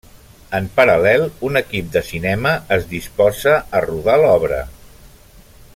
En paral·lel, un equip de cinema es disposa a rodar l'obra.